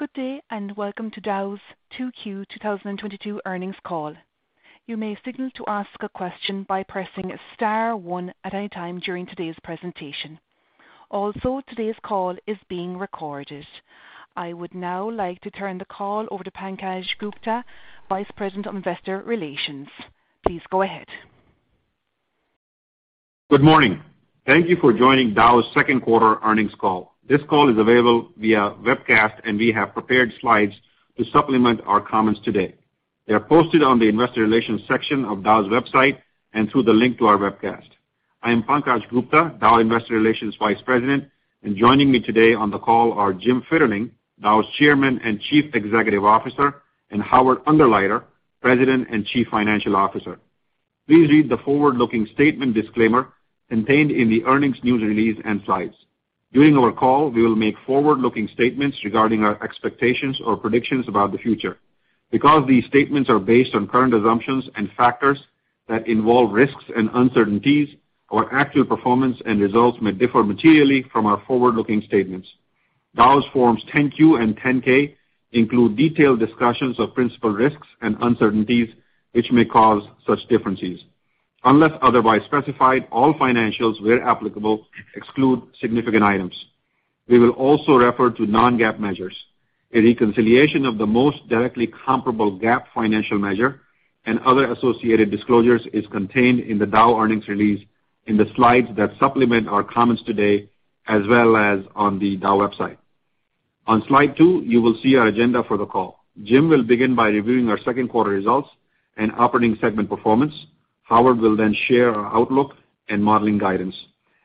Good day, and welcome to Dow's 2Q 2022 earnings call. You may signal to ask a question by pressing star one at any time during today's presentation. Also, today's call is being recorded. I would now like to turn the call over to Pankaj Gupta, Vice President of Investor Relations. Please go ahead. Good morning. Thank you for joining Dow's Q2 earnings call. This call is available via webcast, and we have prepared slides to supplement our comments today. They are posted on the investor relations section of Dow's website and through the link to our webcast. I am Pankaj Gupta, Dow Investor Relations Vice President, and joining me today on the call are Jim Fitterling, Dow's Chairman and Chief Executive Officer, and Howard Ungerleider, President and Chief Financial Officer. Please read the forward-looking statement disclaimer contained in the earnings news release and slides. During our call, we will make forward-looking statements regarding our expectations or predictions about the future. Because these statements are based on current assumptions and factors that involve risks and uncertainties, our actual performance and results may differ materially from our forward-looking statements. Dow's Form 10-Q and Form 10-K include detailed discussions of principal risks and uncertainties, which may cause such differences. Unless otherwise specified, all financials where applicable exclude significant items. We will also refer to non-GAAP measures. A reconciliation of the most directly comparable GAAP financial measure and other associated disclosures is contained in the Dow earnings release in the slides that supplement our comments today as well as on the Dow website. On slide two, you will see our agenda for the call. Jim will begin by reviewing our Q2 results and operating segment performance. Howard will then share our outlook and modeling guidance.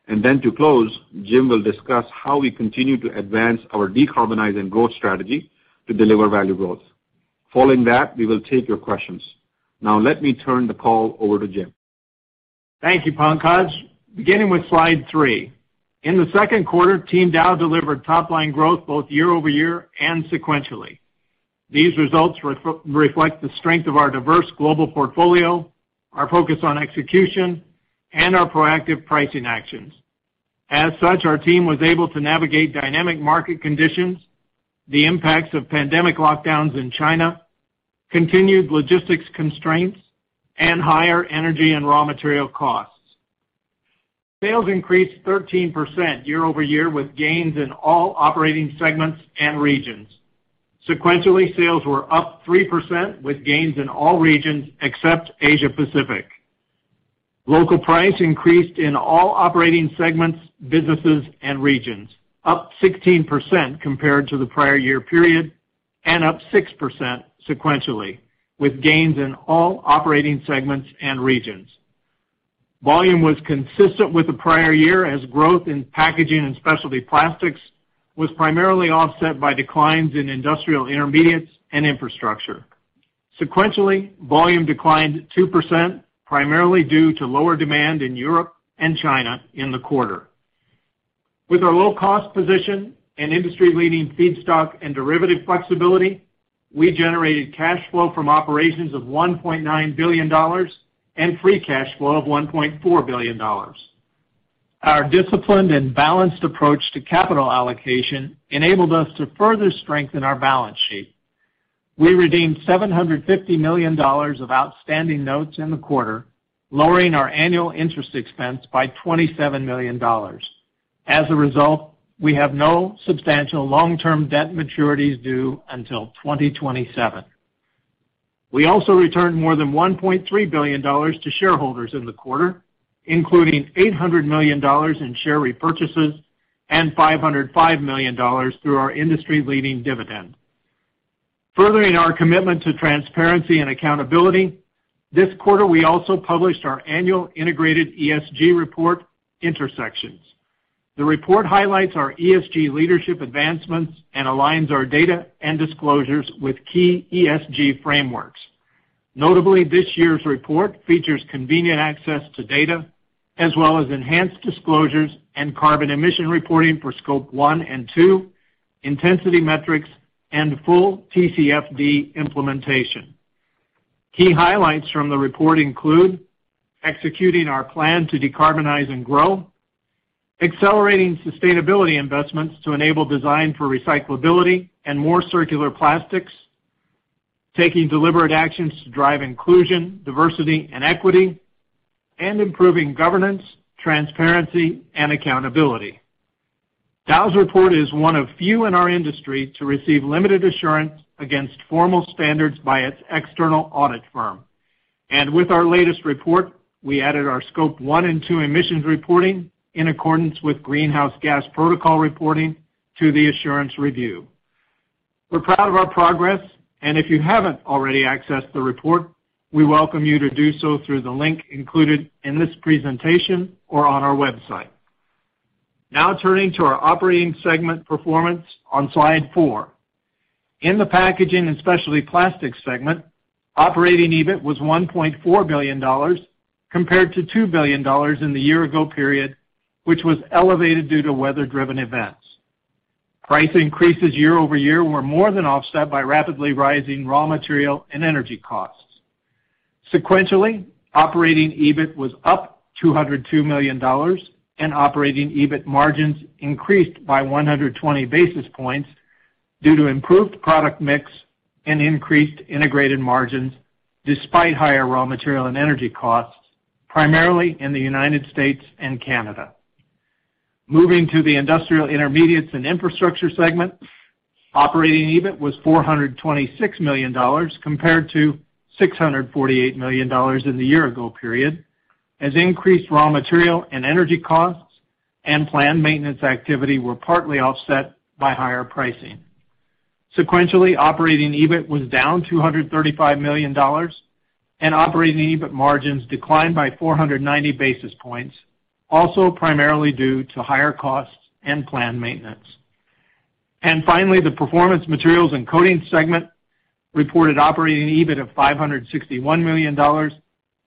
To close, Jim will discuss how we continue to advance our decarbonize and growth strategy to deliver value growth. Following that, we will take your questions. Now let me turn the call over to Jim. Thank you, Pankaj. Beginning with slide three. In the Q2, Team Dow delivered top line growth both year-over-year and sequentially. These results reflect the strength of our diverse global portfolio, our focus on execution, and our proactive pricing actions. As such, our team was able to navigate dynamic market conditions, the impacts of pandemic lockdowns in China, continued logistics constraints, and higher energy and raw material costs. Sales increased 13% year-over-year with gains in all operating segments and regions. Sequentially, sales were up 3% with gains in all regions except Asia Pacific. Local price increased in all operating segments, businesses, and regions, up 16% compared to the prior year period, and up 6% sequentially, with gains in all operating segments and regions. Volume was consistent with the prior year as growth in Packaging and Specialty Plastics was primarily offset by declines in Industrial Intermediates and Infrastructure. Sequentially, volume declined 2%, primarily due to lower demand in Europe and China in the quarter. With our low-cost position and industry-leading feedstock and derivative flexibility, we generated cash flow from operations of $1.9 billion and free cash flow of $1.4 billion. Our disciplined and balanced approach to capital allocation enabled us to further strengthen our balance sheet. We redeemed $750 million of outstanding notes in the quarter, lowering our annual interest expense by $27 million. As a result, we have no substantial long-term debt maturities due until 2027. We also returned more than $1.3 billion to shareholders in the quarter, including $800 million in share repurchases and $505 million through our industry-leading dividend. Furthering our commitment to transparency and accountability, this quarter we also published our annual integrated ESG report, Intersections. The report highlights our ESG leadership advancements and aligns our data and disclosures with key ESG frameworks. Notably, this year's report features convenient access to data as well as enhanced disclosures and carbon emission reporting for Scope 1 and 2, intensity metrics, and full TCFD implementation. Key highlights from the report include executing our plan to decarbonize and grow, accelerating sustainability investments to enable design for recyclability and more circular plastics, taking deliberate actions to drive inclusion, diversity, and equity, and improving governance, transparency, and accountability. Dow's report is one of few in our industry to receive limited assurance against formal standards by its external audit firm. With our latest report, we added our Scope 1 and 2 emissions reporting in accordance with Greenhouse Gas Protocol reporting to the assurance review. We're proud of our progress, and if you haven't already accessed the report, we welcome you to do so through the link included in this presentation or on our website. Now turning to our operating segment performance on slide four. In the Packaging and Specialty Plastics segment, operating EBIT was $1.4 billion compared to $2 billion in the year ago period, which was elevated due to weather-driven events. Price increases year over year were more than offset by rapidly rising raw material and energy costs. Sequentially, operating EBIT was up $202 million and operating EBIT margins increased by 120 basis points due to improved product mix and increased integrated margins despite higher raw material and energy costs, primarily in the United States and Canada. Moving to the Industrial Intermediates & Infrastructure segment, operating EBIT was $426 million compared to $648 million in the year ago period, as increased raw material and energy costs and planned maintenance activity were partly offset by higher pricing. Sequentially, operating EBIT was down $235 million and operating EBIT margins declined by 490 basis points, also primarily due to higher costs and planned maintenance. Finally, the Performance Materials & Coatings segment reported operating EBIT of $561 million,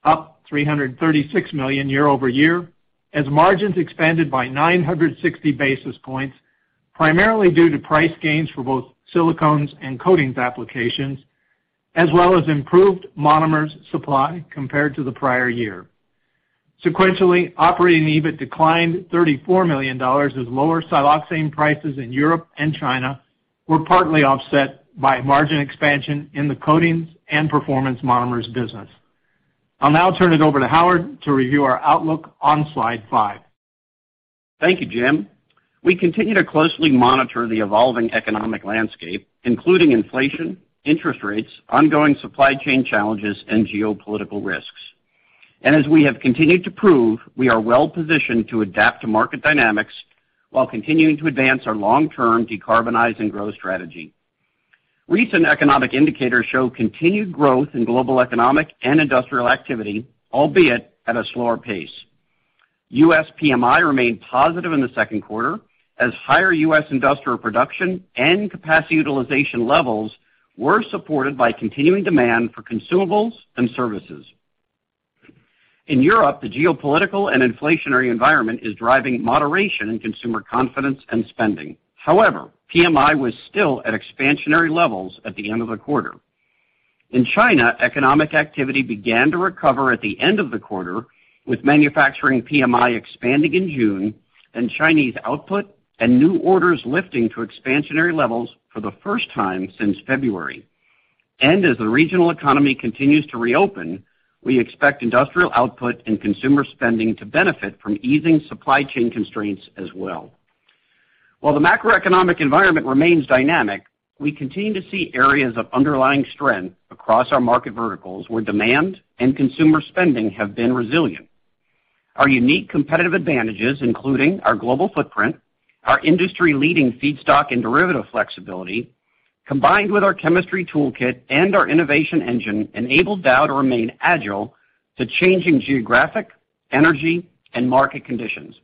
up $336 million year-over-year, as margins expanded by 960 basis points, primarily due to price gains for both silicones and coatings applications, as well as improved monomers supply compared to the prior year. Sequentially, operating EBIT declined $34 million as lower siloxane prices in Europe and China were partly offset by margin expansion in the coatings and performance monomers business. I'll now turn it over to Howard to review our outlook on slide five. Thank you, Jim. We continue to closely monitor the evolving economic landscape, including inflation, interest rates, ongoing supply chain challenges and geopolitical risks. As we have continued to prove, we are well-positioned to adapt to market dynamics while continuing to advance our long-term decarbonize and growth strategy. Recent economic indicators show continued growth in global economic and industrial activity, albeit at a slower pace. U.S. PMI remained positive in the Q2 as higher U.S. industrial production and capacity utilization levels were supported by continuing demand for consumables and services. In Europe, the geopolitical and inflationary environment is driving moderation in consumer confidence and spending. However, PMI was still at expansionary levels at the end of the quarter. In China, economic activity began to recover at the end of the quarter, with manufacturing PMI expanding in June and Chinese output and new orders lifting to expansionary levels for the first time since February. As the regional economy continues to reopen, we expect industrial output and consumer spending to benefit from easing supply chain constraints as well. While the macroeconomic environment remains dynamic, we continue to see areas of underlying strength across our market verticals where demand and consumer spending have been resilient. Our unique competitive advantages, including our global footprint, our industry-leading feedstock and derivative flexibility, combined with our chemistry toolkit and our innovation engine, enable Dow to remain agile to changing geographic, energy and market conditions.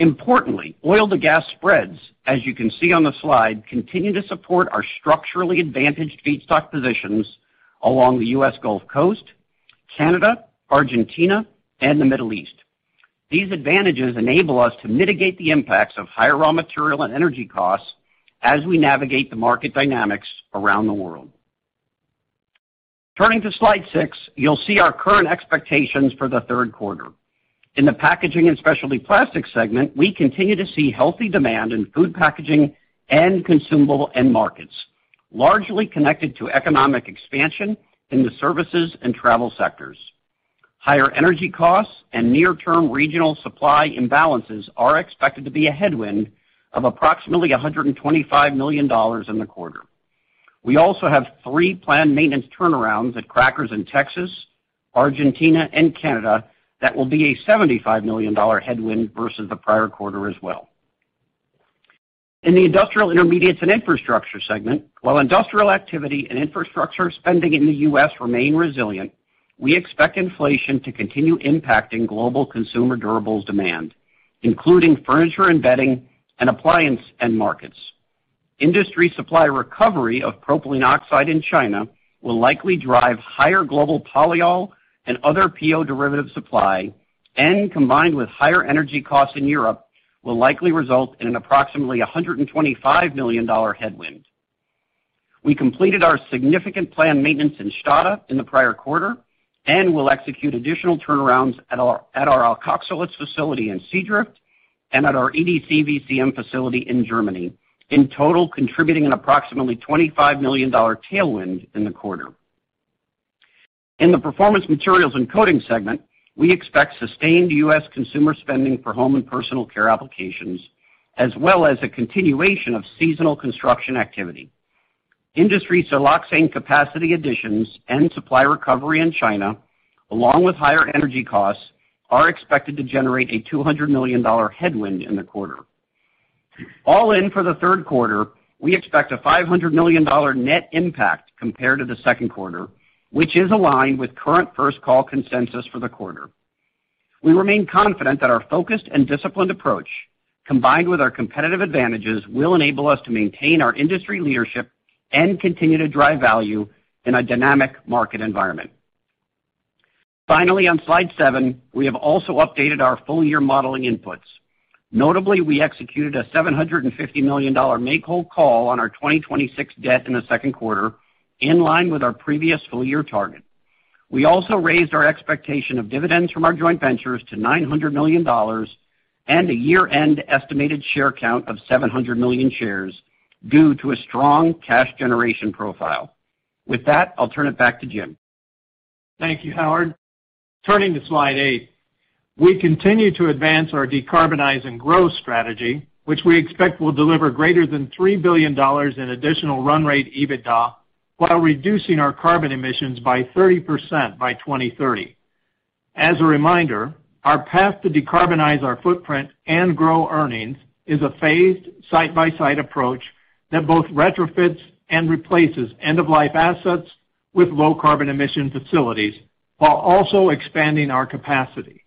Importantly, oil to gas spreads, as you can see on the slide, continue to support our structurally advantaged feedstock positions along the U.S. Gulf Coast, Canada, Argentina, and the Middle East. These advantages enable us to mitigate the impacts of higher raw material and energy costs as we navigate the market dynamics around the world. Turning to slide six, you'll see our current expectations for the Q3. In the packaging and specialty plastics segment, we continue to see healthy demand in food packaging and consumable end markets, largely connected to economic expansion in the services and travel sectors. Higher energy costs and near-term regional supply imbalances are expected to be a headwind of approximately $125 million in the quarter. We also have three planned maintenance turnarounds at crackers in Texas, Argentina and Canada that will be a $75 million headwind versus the prior quarter as well. In the Industrial Intermediates and Infrastructure segment, while industrial activity and infrastructure spending in the U.S. remain resilient, we expect inflation to continue impacting global consumer durables demand, including furniture and bedding and appliance end markets. Industry supply recovery of propylene oxide in China will likely drive higher global polyol and other PO derivative supply and, combined with higher energy costs in Europe, will likely result in an approximately $125 million headwind. We completed our significant planned maintenance in Stade in the prior quarter and will execute additional turnarounds at our alkoxylates facility in Seadrift and at our EDC/VCM facility in Germany, in total contributing an approximately $25 million tailwind in the quarter. In the Performance Materials & Coatings segment, we expect sustained U.S. consumer spending for home and personal care applications, as well as a continuation of seasonal construction activity. Industry siloxane capacity additions and supply recovery in China, along with higher energy costs, are expected to generate a $200 million headwind in the quarter. All in for the Q3, we expect a $500 million net impact compared to the Q2, which is aligned with current First Call consensus for the quarter. We remain confident that our focused and disciplined approach, combined with our competitive advantages, will enable us to maintain our industry leadership and continue to drive value in a dynamic market environment. Finally, on slide seven, we have also updated our full year modeling inputs. Notably, we executed a $750 million make-whole call on our 2026 debt in the Q2, in line with our previous full year target. We also raised our expectation of dividends from our joint ventures to $900 million and a year-end estimated share count of 700 million shares due to a strong cash generation profile. With that, I'll turn it back to Jim. Thank you, Howard. Turning to slide eight. We continue to advance our decarbonize and growth strategy, which we expect will deliver greater than $3 billion in additional run rate EBITDA while reducing our carbon emissions by 30% by 2030. As a reminder, our path to decarbonize our footprint and grow earnings is a phased site by site approach that both retrofits and replaces end-of-life assets with low carbon emission facilities while also expanding our capacity.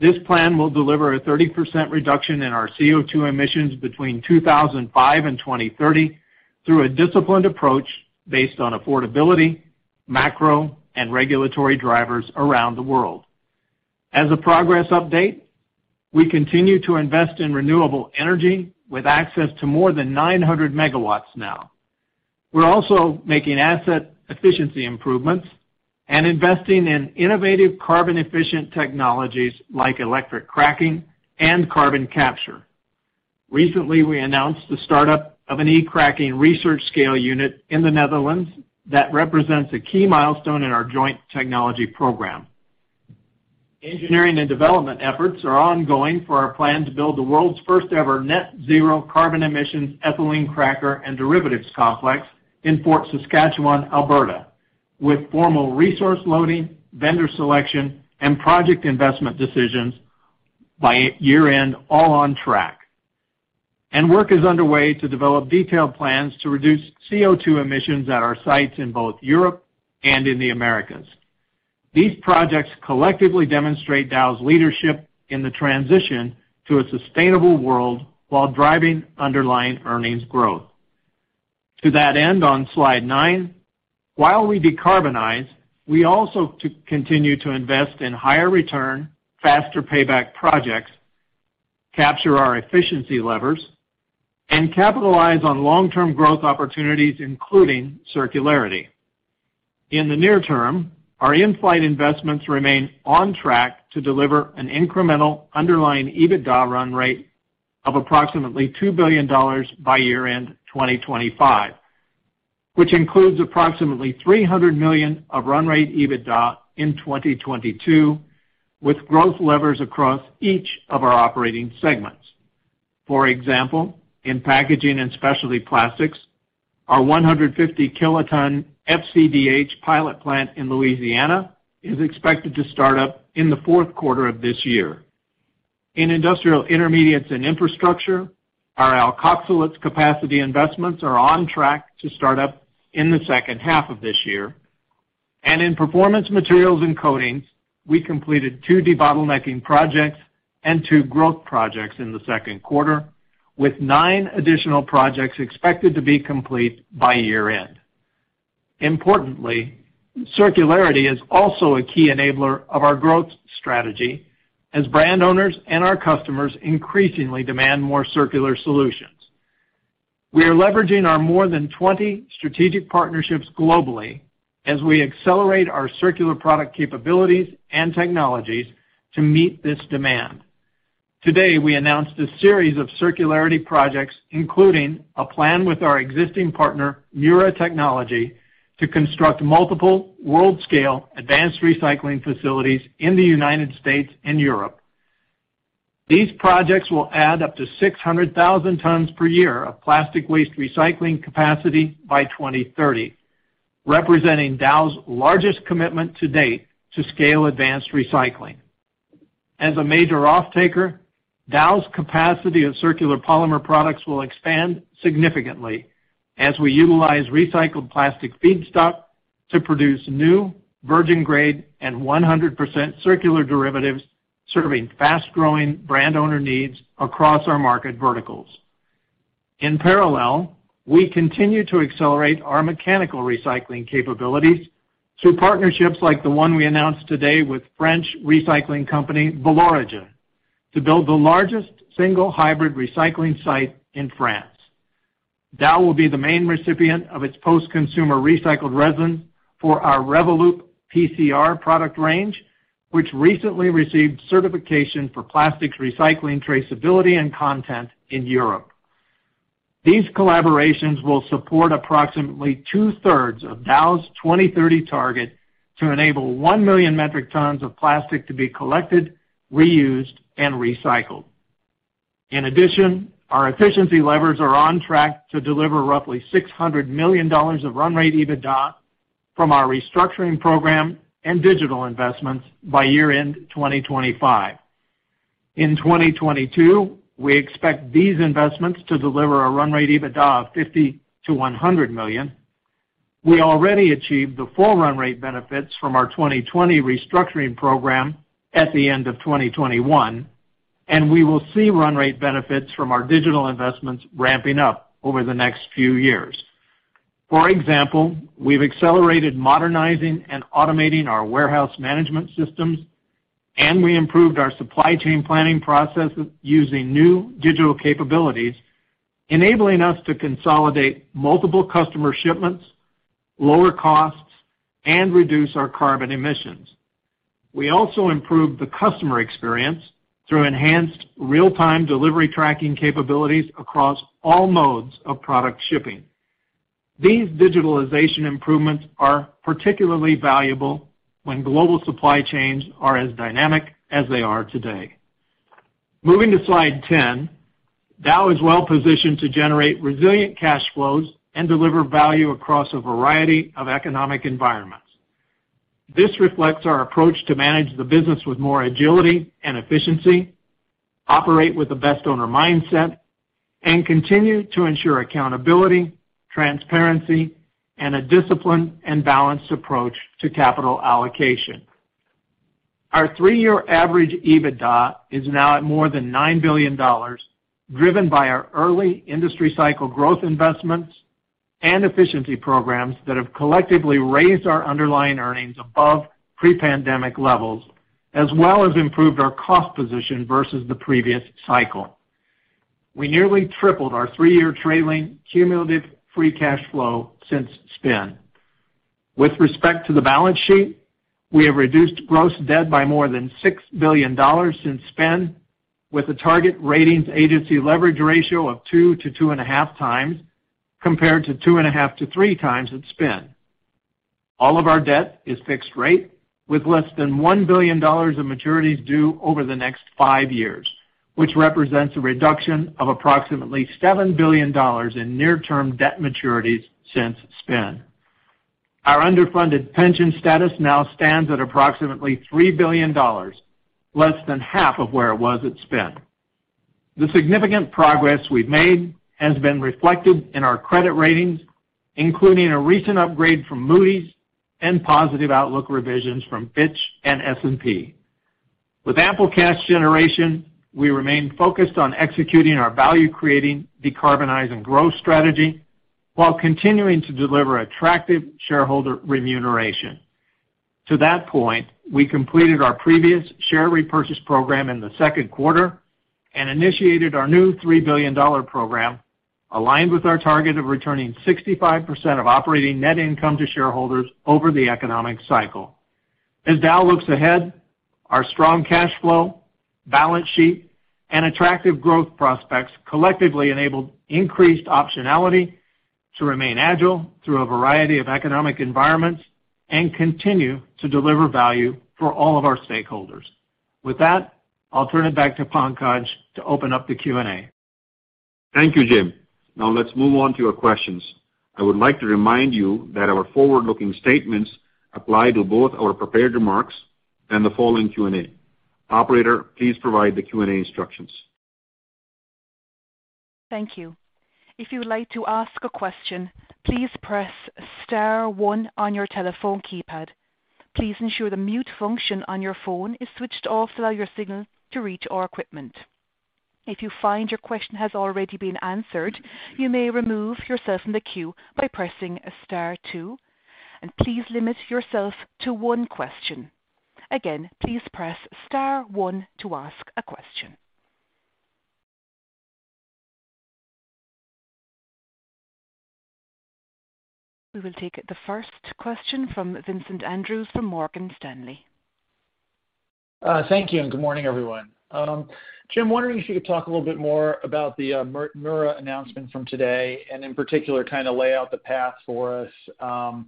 This plan will deliver a 30% reduction in our CO₂ emissions between 2005 and 2030 through a disciplined approach based on affordability, macro and regulatory drivers around the world. As a progress update, we continue to invest in renewable energy with access to more than 900 MW now. We're also making asset efficiency improvements and investing in innovative carbon efficient technologies like e-cracking and carbon capture. Recently, we announced the startup of an e-cracking research scale unit in the Netherlands that represents a key milestone in our joint technology program. Engineering and development efforts are ongoing for our plan to build the world's first ever net zero carbon emissions ethylene cracker and derivatives complex in Fort Saskatchewan, Alberta, with formal resource loading, vendor selection, and project investment decisions by year-end all on track. Work is underway to develop detailed plans to reduce CO₂ emissions at our sites in both Europe and in the Americas. These projects collectively demonstrate Dow's leadership in the transition to a sustainable world while driving underlying earnings growth. To that end, on slide nine, while we decarbonize, we also continue to invest in higher return, faster payback projects, capture our efficiency levers, and capitalize on long-term growth opportunities, including circularity. In the near term, our in-flight investments remain on track to deliver an incremental underlying EBITDA run rate of approximately $2 billion by year-end 2025, which includes approximately $300 million of run rate EBITDA in 2022, with growth levers across each of our operating segments. For example, in Packaging & Specialty Plastics, our 150 KT FCDH pilot plant in Louisiana is expected to start up in the Q4 of this year. In Industrial Intermediates & Infrastructure, our alkoxylates capacity investments are on track to start up in the second half of this year. In Performance Materials and Coatings, we completed two debottlenecking projects and two growth projects in the Q2, with nine additional projects expected to be complete by year-end. Importantly, circularity is also a key enabler of our growth strategy as brand owners and our customers increasingly demand more circular solutions. We are leveraging our more than 20 strategic partnerships globally as we accelerate our circular product capabilities and technologies to meet this demand. Today, we announced a series of circularity projects, including a plan with our existing partner, Mura Technology, to construct multiple world-scale advanced recycling facilities in the United States and Europe. These projects will add up to 600,000 tons per year of plastic waste recycling capacity by 2030, representing Dow's largest commitment to date to scale advanced recycling. As a major offtaker, Dow's capacity of circular polymer products will expand significantly as we utilize recycled plastic feedstock to produce new, virgin grade, and 100% circular derivatives serving fast-growing brand owner needs across our market verticals. In parallel, we continue to accelerate our mechanical recycling capabilities through partnerships like the one we announced today with French recycling company, Valoregen, to build the largest single hybrid recycling site in France. Dow will be the main recipient of its post-consumer recycled resin for our REVOLOOP PCR product range, which recently received certification for plastics recycling traceability and content in Europe. These collaborations will support approximately two-thirds of Dow's 2030 target to enable 1 MMT of plastic to be collected, reused, and recycled. In addition, our efficiency levers are on track to deliver roughly $600 million of run rate EBITDA from our restructuring program and digital investments by year-end 2025. In 2022, we expect these investments to deliver a run rate EBITDA of $50 million-$100 million. We already achieved the full run rate benefits from our 2020 restructuring program at the end of 2021, and we will see run rate benefits from our digital investments ramping up over the next few years. For example, we've accelerated modernizing and automating our warehouse management systems, and we improved our supply chain planning processes using new digital capabilities, enabling us to consolidate multiple customer shipments, lower costs, and reduce our carbon emissions. We also improved the customer experience through enhanced real-time delivery tracking capabilities across all modes of product shipping. These digitalization improvements are particularly valuable when global supply chains are as dynamic as they are today. Moving to slide 10, Dow is well positioned to generate resilient cash flows and deliver value across a variety of economic environments. This reflects our approach to manage the business with more agility and efficiency, operate with the best owner mindset, and continue to ensure accountability, transparency, and a disciplined and balanced approach to capital allocation. Our three-year average EBITDA is now at more than $9 billion, driven by our early industry cycle growth investments and efficiency programs that have collectively raised our underlying earnings above pre-pandemic levels, as well as improved our cost position versus the previous cycle. We nearly tripled our three-year trailing cumulative free cash flow since spin. With respect to the balance sheet, we have reduced gross debt by more than $6 billion since spin, with a target ratings agency leverage ratio of 2-2.5 times, compared to 2.5-3 times at spin. All of our debt is fixed rate, with less than $1 billion of maturities due over the next five years, which represents a reduction of approximately $7 billion in near-term debt maturities since spin. Our underfunded pension status now stands at approximately $3 billion, less than half of where it was at spin. The significant progress we've made has been reflected in our credit ratings, including a recent upgrade from Moody's and positive outlook revisions from Fitch and S&P. With ample cash generation, we remain focused on executing our value, creating decarbonize and growth strategy while continuing to deliver attractive shareholder remuneration. To that point, we completed our previous share repurchase program in the Q2 and initiated our new $3 billion program, aligned with our target of returning 65% of operating net income to shareholders over the economic cycle. As Dow looks ahead, our strong cash flow, balance sheet, and attractive growth prospects collectively enabled increased optionality to remain agile through a variety of economic environments and continue to deliver value for all of our stakeholders. With that, I'll turn it back to Pankaj to open up the Q&A. Thank you, Jim. Now let's move on to your questions. I would like to remind you that our forward-looking statements apply to both our prepared remarks and the following Q&A. Operator, please provide the Q&A instructions. Thank you. If you would like to ask a question, please press star one on your telephone keypad. Please ensure the mute function on your phone is switched off to allow your signal to reach our equipment. If you find your question has already been answered, you may remove yourself from the queue by pressing star two, and please limit yourself to one question. Again, please press star one to ask a question. We will take the first question from Vincent Andrews from Morgan Stanley. Thank you, and good morning, everyone. Jim, wondering if you could talk a little bit more about the Mura announcement from today, and in particular, kinda lay out the path for us.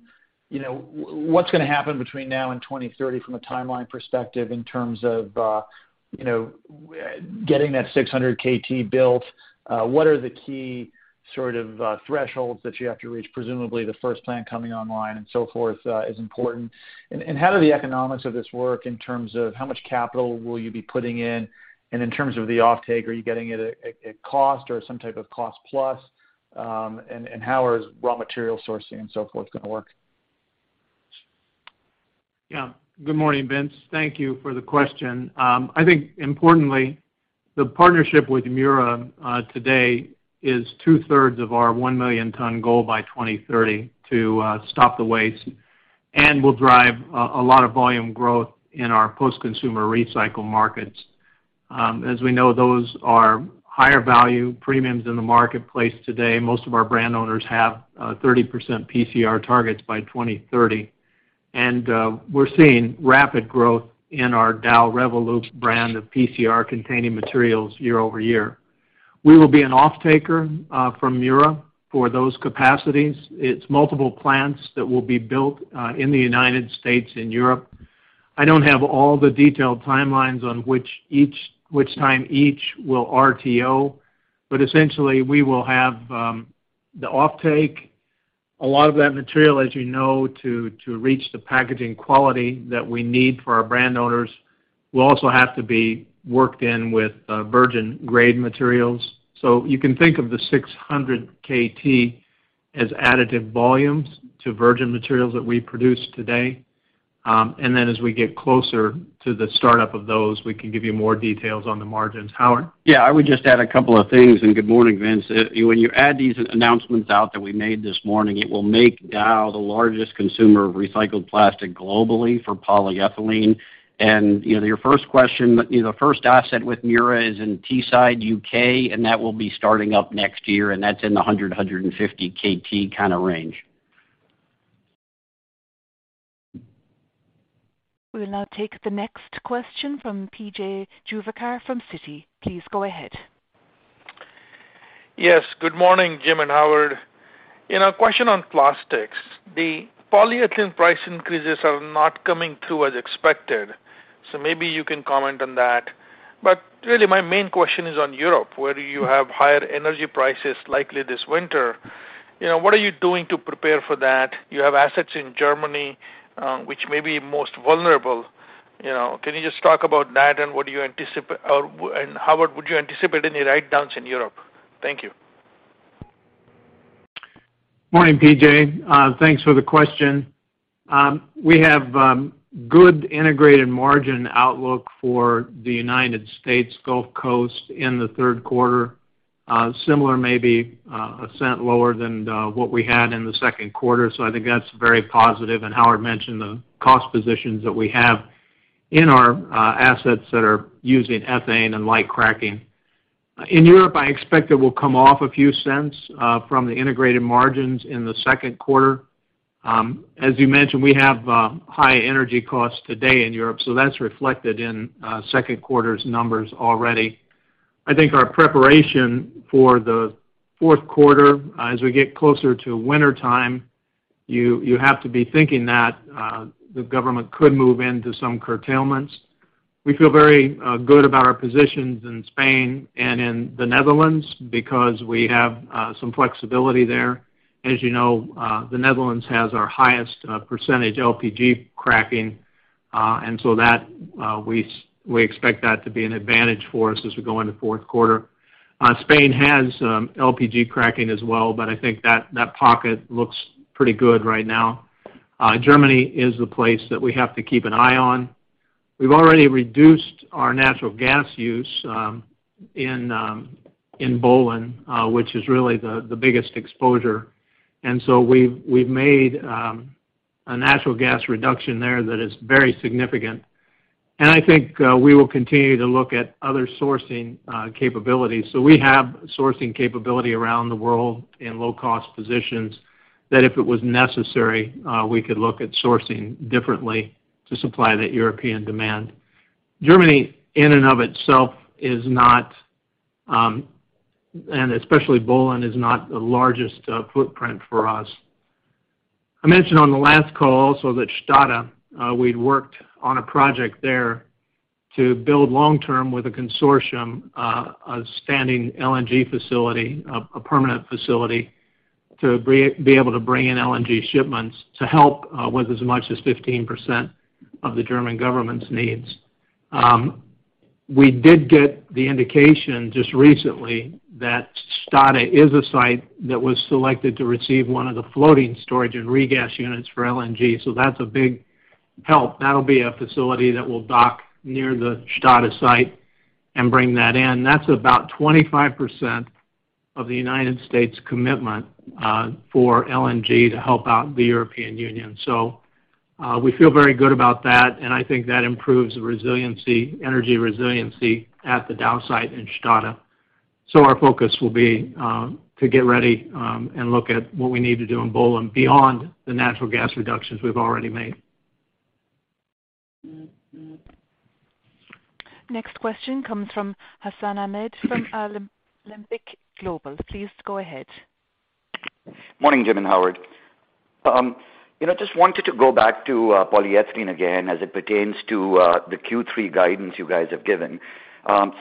You know, what's gonna happen between now and 2030 from a timeline perspective in terms of, you know, getting that 600 KT built? What are the key sort of thresholds that you have to reach? Presumably, the first plant coming online and so forth is important. How do the economics of this work in terms of how much capital will you be putting in? In terms of the offtake, are you getting it at cost or some type of cost plus? How is raw material sourcing and so forth gonna work? Yeah. Good morning, Vince. Thank you for the question. I think importantly, the partnership with Mura today is two-thirds of our 1 million ton goal by 2030 to stop the waste and will drive a lot of volume growth in our post-consumer recycle markets. As we know, those are higher value premiums in the marketplace today. Most of our brand owners have 30% PCR targets by 2030, and we're seeing rapid growth in our Dow REVOLOOP brand of PCR-containing materials year-over-year. We will be an offtaker from Mura for those capacities. It's multiple plants that will be built in the United States and Europe. I don't have all the detailed timelines on which time each will RTO, but essentially, we will have the offtake. A lot of that material, as you know, to reach the packaging quality that we need for our brand owners will also have to be worked in with virgin grade materials. You can think of the 600 KT as additive volumes to virgin materials that we produce today. As we get closer to the startup of those, we can give you more details on the margins. Howard? Yeah, I would just add a couple of things, and good morning, Vince. When you add these announcements up that we made this morning, it will make Dow the largest consumer of recycled plastic globally for polyethylene. You know, to your first question, the first asset with Mura is in Teesside, UK, and that will be starting up next year, and that's in the 100-150 KT kind of range. We will now take the next question from P.J. Juvekar from Citi. Please go ahead. Yes, good morning, Jim and Howard. In our question on plastics, the polyethylene price increases are not coming through as expected. Maybe you can comment on that. Really, my main question is on Europe, where you have higher energy prices likely this winter. You know, what are you doing to prepare for that? You have assets in Germany, which may be most vulnerable. You know, can you just talk about that and what do you anticipate, or, and Howard, would you anticipate any write-downs in Europe? Thank you. Morning, P.J. Thanks for the question. We have good integrated margin outlook for the United States Gulf Coast in the Q3, similar maybe, a cent lower than what we had in the Q2. I think that's very positive. Howard mentioned the cost positions that we have in our assets that are using ethane and light cracking. In Europe, I expect it will come off a few cents from the integrated margins in the Q2. As you mentioned, we have high energy costs today in Europe, so that's reflected in Q2's numbers already. I think our preparation for the Q4 as we get closer to wintertime, you have to be thinking that the government could move into some curtailments. We feel very good about our positions in Spain and in the Netherlands because we have some flexibility there. As you know, the Netherlands has our highest percentage LPG cracking, and so that we expect that to be an advantage for us as we go into Q4. Spain has LPG cracking as well, but I think that pocket looks pretty good right now. Germany is the place that we have to keep an eye on. We've already reduced our natural gas use in Böhlen, which is really the biggest exposure. We've made a natural gas reduction there that is very significant. I think we will continue to look at other sourcing capabilities. We have sourcing capability around the world in low cost positions that if it was necessary, we could look at sourcing differently to supply that European demand. Germany in and of itself is not, and especially Böhlen is not the largest footprint for us. I mentioned on the last call also that Stade, we'd worked on a project there to build long term with a consortium, a standing LNG facility, a permanent facility to be able to bring in LNG shipments to help with as much as 15% of the German government's needs. We did get the indication just recently that Stade is a site that was selected to receive one of the floating storage and regas units for LNG. That's a big help. That'll be a facility that will dock near the Stade site and bring that in. That's about 25% of the United States commitment for LNG to help out the European Union. We feel very good about that, and I think that improves the resiliency, energy resiliency at the Dow site in Stade. Our focus will be to get ready and look at what we need to do in Böhlen beyond the natural gas reductions we've already made. Next question comes from Hassan Ahmed from Alembic Global. Please go ahead. Morning, Jim and Howard. You know, just wanted to go back to polyethylene again as it pertains to the Q3 guidance you guys have given.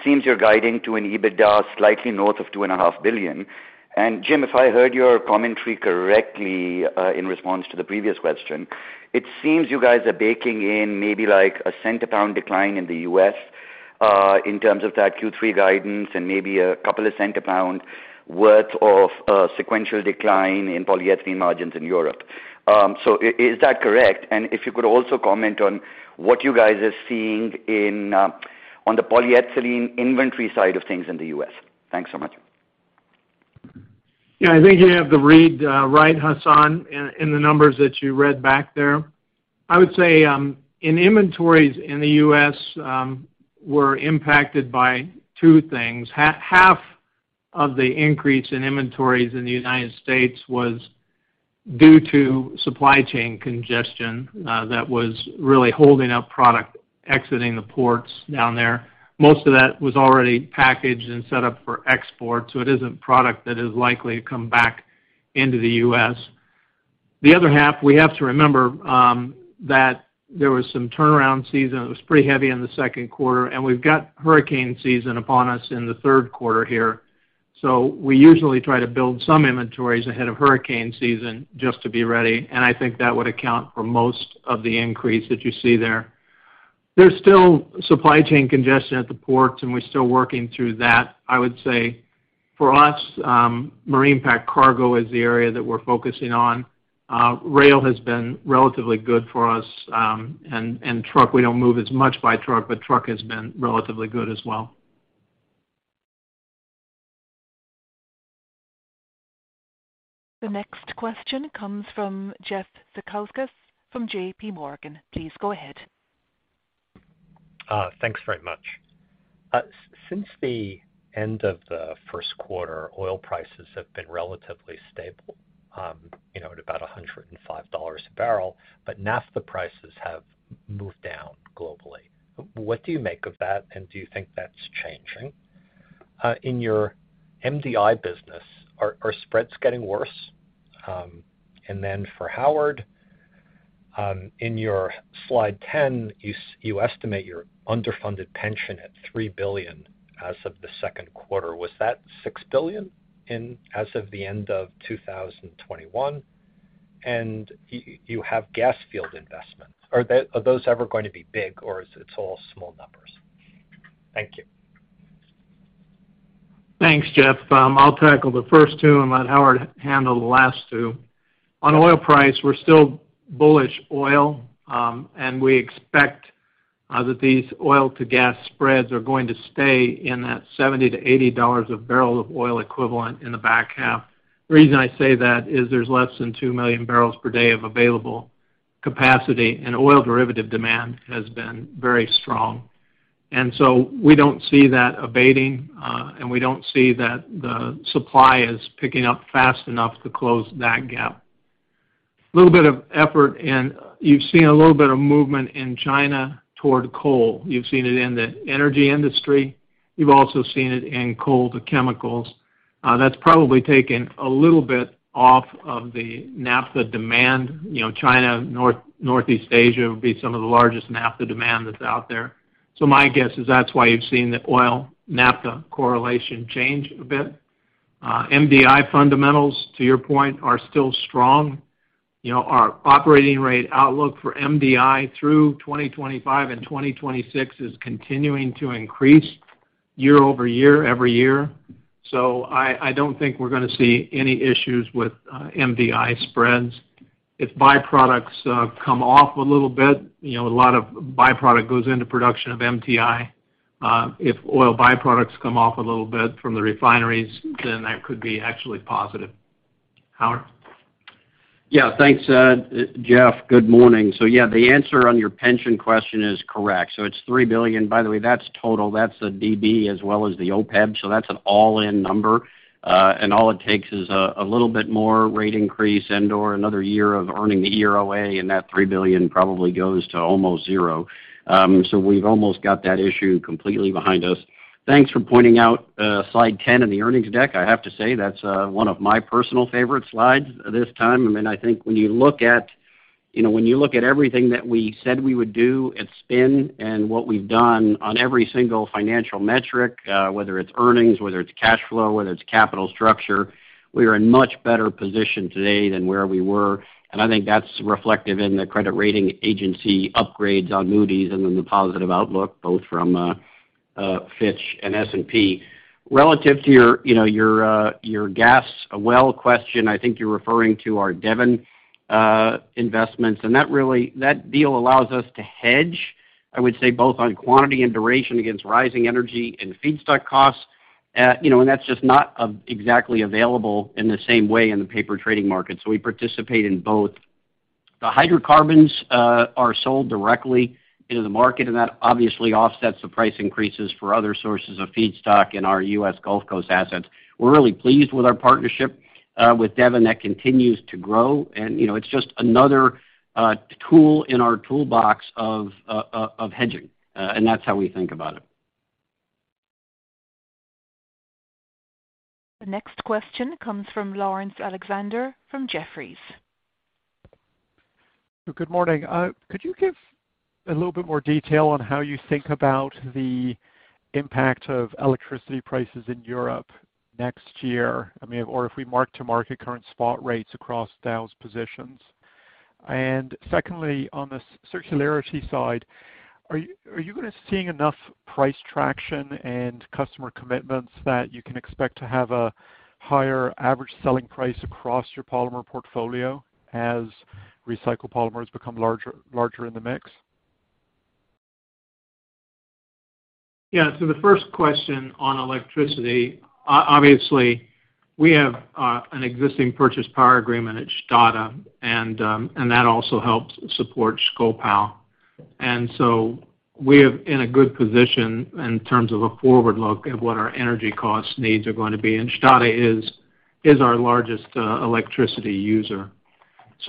Seems you're guiding to an EBITDA slightly north of $2.5 billion. Jim, if I heard your commentary correctly, in response to the previous question, it seems you guys are baking in maybe like a cent a pound decline in the U.S. in terms of that Q3 guidance and maybe a couple of cents a pound worth of sequential decline in polyethylene margins in Europe. Is that correct? If you could also comment on what you guys are seeing on the polyethylene inventory side of things in the U.S. Thanks so much. Yeah, I think you have the read right, Hassan, in the numbers that you read back there. I would say in inventories in the U.S. were impacted by two things. Half of the increase in inventories in the United States was due to supply chain congestion that was really holding up product exiting the ports down there. Most of that was already packaged and set up for export, so it isn't product that is likely to come back into the U.S. The other half, we have to remember, that there was some turnaround season. It was pretty heavy in the Q2, and we've got hurricane season upon us in the Q3 here. We usually try to build some inventories ahead of hurricane season just to be ready, and I think that would account for most of the increase that you see there. There's still supply chain congestion at the ports, and we're still working through that. I would say for us, marine packed cargo is the area that we're focusing on. Rail has been relatively good for us, and truck, we don't move as much by truck, but truck has been relatively good as well. The next question comes from Jeff Zekauskas from J.P. Morgan. Please go ahead. Thanks very much. Since the end of the Q1, oil prices have been relatively stable, you know, at about $105 a barrel, but naphtha prices have moved down globally. What do you make of that, and do you think that's changing? In your MDI business, are spreads getting worse? For Howard, in your slide 10, you estimate your underfunded pension at $3 billion as of the Q2. Was that $6 billion as of the end of 2021? You have gas field investments. Are those ever going to be big, or is it all small numbers? Thank you. Thanks, Jeff. I'll tackle the first two and let Howard handle the last two. On oil price, we're still bullish on oil, and we expect that these oil to gas spreads are going to stay in that $70-$80 a barrel of oil equivalent in the back half. The reason I say that is there's less than 2 million barrels per day of available capacity, and oil derivative demand has been very strong. We don't see that abating, and we don't see that the supply is picking up fast enough to close that gap. A little bit of effort and you've seen a little bit of movement in China toward coal. You've seen it in the energy industry. You've also seen it in coal to chemicals. That's probably taken a little bit off of the naphtha demand. You know, China, North-Northeast Asia would be some of the largest naphtha demand that's out there. My guess is that's why you've seen the oil naphtha correlation change a bit. MDI fundamentals, to your point, are still strong. You know, our operating rate outlook for MDI through 2025 and 2026 is continuing to increase year-over-year, every year. I don't think we're gonna see any issues with MDI spreads. If byproducts come off a little bit, you know, a lot of byproduct goes into production of MDI. If oil byproducts come off a little bit from the refineries, then that could be actually positive. Howard? Yeah. Thanks, Jeff, good morning. Yeah, the answer on your pension question is correct. It's $3 billion. By the way, that's total, that's the DB as well as the OPEB, so that's an all-in number. And all it takes is a little bit more rate increase and/or another year of earning the EROA, and that $3 billion probably goes to almost zero. We've almost got that issue completely behind us. Thanks for pointing out slide 10 in the earnings deck. I have to say that's one of my personal favorite slides this time. I mean, I think when you look at, you know, when you look at everything that we said we would do at spin and what we've done on every single financial metric, whether it's earnings, whether it's cash flow, whether it's capital structure, we are in much better position today than where we were. I think that's reflective in the credit rating agency upgrades on Moody's and then the positive outlook, both from Fitch and S&P. Relative to your, you know, your gas well question, I think you're referring to our Devon investments. That deal allows us to hedge, I would say, both on quantity and duration against rising energy and feedstock costs. You know, that's just not exactly available in the same way in the paper trading market, so we participate in both. The hydrocarbons are sold directly into the market, and that obviously offsets the price increases for other sources of feedstock in our U.S. Gulf Coast assets. We're really pleased with our partnership with Devon. That continues to grow and, you know, it's just another tool in our toolbox of hedging. That's how we think about it. The next question comes from Laurence Alexander from Jefferies. Good morning. Could you give a little bit more detail on how you think about the impact of electricity prices in Europe next year? I mean, or if we mark to market current spot rates across Dow's positions. Secondly, on the circularity side, are you guys seeing enough price traction and customer commitments that you can expect to have a higher average selling price across your polymer portfolio as recycled polymers become larger in the mix? Yeah. The first question on electricity, obviously, we have an existing purchase power agreement at Stade, and that also helps support Schkopau. We're in a good position in terms of a forward look at what our energy cost needs are going to be, and Stade is our largest electricity user.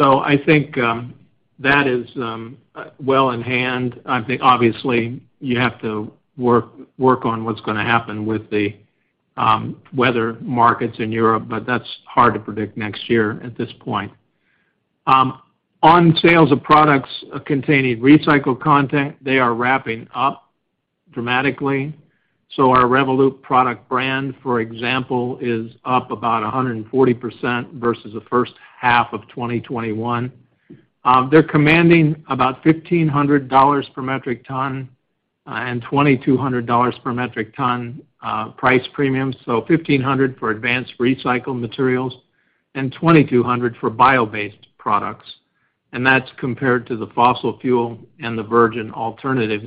I think that is well in hand. I think obviously you have to work on what's gonna happen with the weather markets in Europe, but that's hard to predict next year at this point. On sales of products containing recycled content, they are ramping up dramatically. Our REVOLOOP product brand, for example, is up about 140% versus the H1 of 2021. They're commanding about $1,500 per metric ton and $2,200 per metric ton price premium. $1,500 for advanced recycled materials and $2,200 for bio-based products. That's compared to the fossil fuel and the virgin alternative.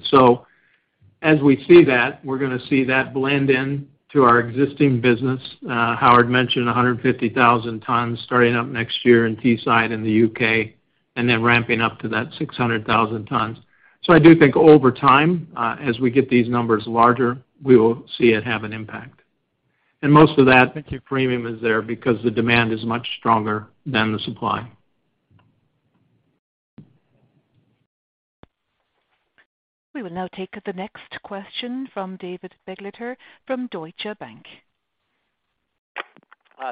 As we see that, we're gonna see that blend in to our existing business. Howard mentioned 150,000 tons starting up next year in Teesside in the UK, and then ramping up to that 600,000 tons. I do think over time, as we get these numbers larger, we will see it have an impact. Most of that premium is there because the demand is much stronger than the supply. We will now take the next question from David Begleiter from Deutsche Bank.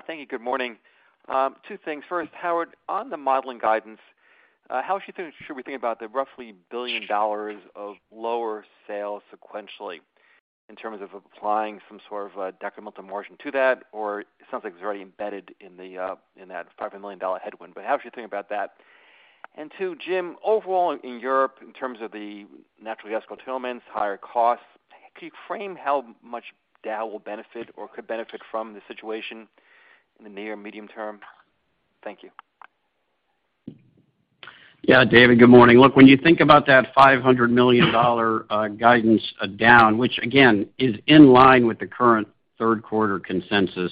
Thank you. Good morning. Two things. First, Howard, on the modeling guidance, how should we think about the roughly $1 billion of lower sales sequentially in terms of applying some sort of a decremental margin to that? Or it sounds like it's already embedded in that $500 million headwind. How should you think about that? Two, Jim, overall in Europe, in terms of the natural gas curtailments, higher costs, could you frame how much Dow will benefit or could benefit from the situation in the near medium term? Thank you. Yeah, David, good morning. Look, when you think about that $500 million guidance down, which again, is in line with the current Q3 consensus.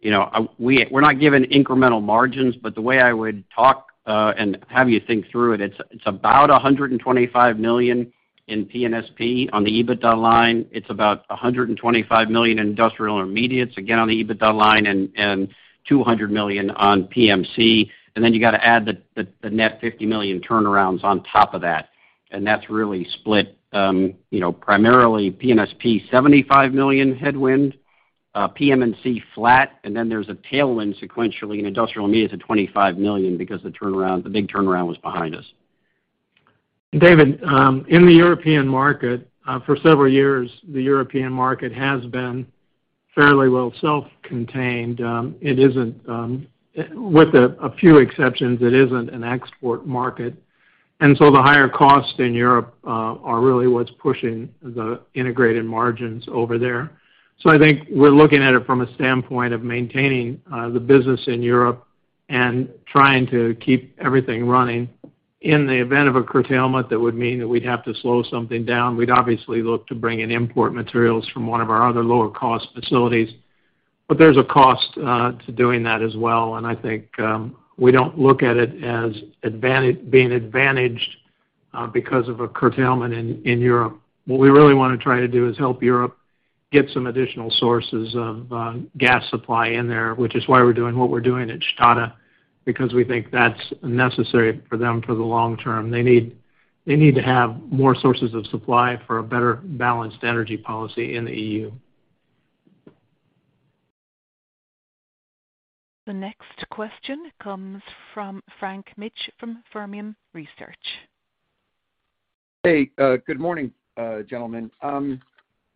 You know, we're not given incremental margins, but the way I would talk and have you think through it's about $125 million in P&SP on the EBITDA line. It's about $125 million in industrial intermediates, again on the EBITDA line, and $200 million on PM&C. Then you got to add the net $50 million turnarounds on top of that. That's really split, you know, primarily P&SP, $75 million headwind, PM&C flat, and then there's a tailwind sequentially in industrial intermediates of $25 million because the turnaround, the big turnaround was behind us. David, in the European market, for several years, the European market has been fairly well self-contained. It isn't, with a few exceptions, an export market. The higher costs in Europe are really what's pushing the integrated margins over there. I think we're looking at it from a standpoint of maintaining the business in Europe and trying to keep everything running. In the event of a curtailment that would mean that we'd have to slow something down, we'd obviously look to bring in import materials from one of our other lower-cost facilities. There's a cost to doing that as well. I think we don't look at it as being advantaged because of a curtailment in Europe. What we really wanna try to do is help Europe get some additional sources of gas supply in there, which is why we're doing what we're doing at Stade, because we think that's necessary for them for the long term. They need to have more sources of supply for a better balanced energy policy in the EU. The next question comes from Frank Mitsch from Fermium Research. Hey, good morning, gentlemen. I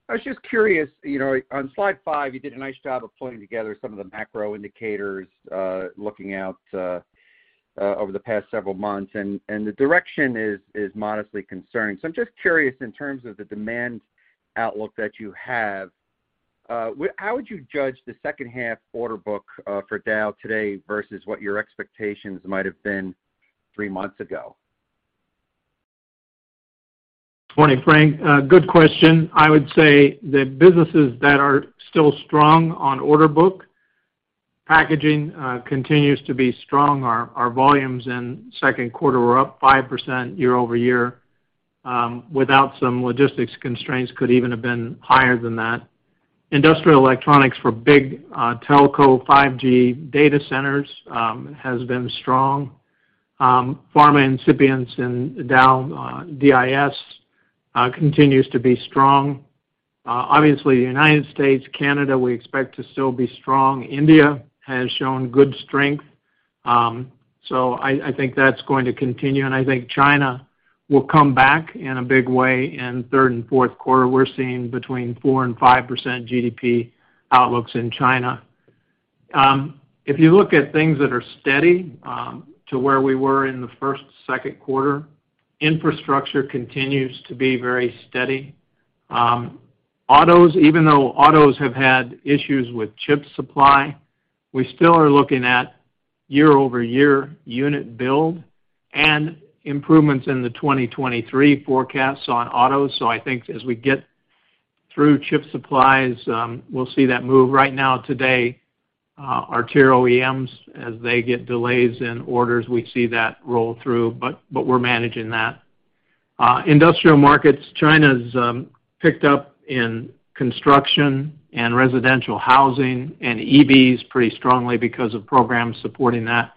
was just curious, you know, on slide five, you did a nice job of pulling together some of the macro indicators, looking out over the past several months, and the direction is modestly concerning. I'm just curious in terms of the demand outlook that you have, how would you judge the second half order book for Dow today versus what your expectations might have been three months ago? Morning, Frank. Good question. I would say the businesses that are still strong on order book, packaging, continues to be strong. Our volumes in Q2 were up 5% year-over-year. Without some logistics constraints could even have been higher than that. Industrial electronics for big telco 5G data centers has been strong. Pharma ingredients in Dow DIS continues to be strong. Obviously, United States, Canada, we expect to still be strong. India has shown good strength. I think that's going to continue. I think China will come back in a big way in third and Q4. We're seeing between 4% and 5% GDP outlooks in China. If you look at things that are steady to where we were in the first, Q2, infrastructure continues to be very steady. Autos, even though autos have had issues with chip supply, we still are looking at year-over-year unit build and improvements in the 2023 forecasts on autos. I think as we get through chip supplies, we'll see that move. Right now today, our tier OEMs, as they get delays in orders, we see that roll through, but we're managing that. Industrial markets, China's picked up in construction and residential housing and EVs pretty strongly because of programs supporting that.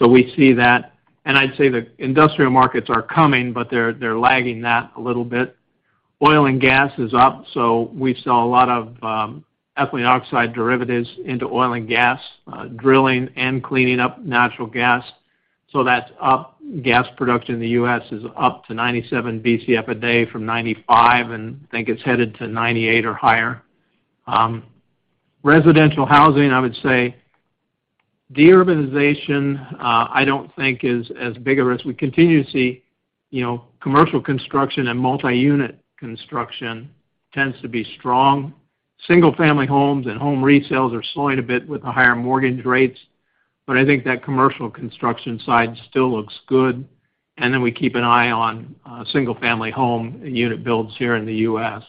We see that. I'd say the industrial markets are coming, but they're lagging that a little bit. Oil and gas is up, so we sell a lot of ethylene oxide derivatives into oil and gas drilling and cleaning up natural gas. That's up. Gas production in the U.S. is up to 97 Bcf a day from 95, and think it's headed to 98 or higher. Residential housing, I would say de-urbanization, I don't think is as big as we continue to see, you know, commercial construction and multi-unit construction tends to be strong. Single-family homes and home resales are slowing a bit with the higher mortgage rates, but I think that commercial construction side still looks good. We keep an eye on single-family home unit builds here in the U.S.